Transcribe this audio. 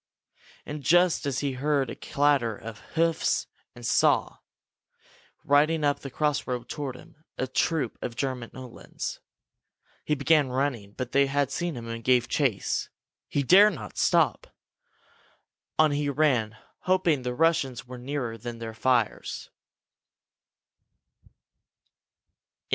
And just then he heard a clatter of hoofs and saw, riding up the crossroad toward him, a troop of German Uhlans. He began running. But they had seen him and gave chase. He dared not stop. On he ran, hoping that the Russians were nearer than their fires.